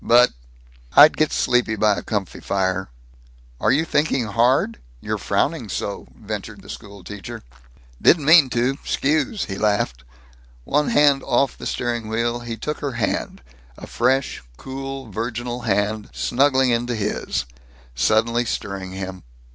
But I'd get sleepy by a comfy fire." "Are you thinking hard? You're frowning so," ventured the school teacher. "Didn't mean to. 'Scuse!" he laughed. One hand off the steering wheel, he took her hand a fresh, cool, virginal hand, snuggling into his, suddenly stirring him.